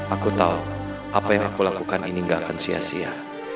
aku tahu apa yang aku lakukan ini gak akan sia sia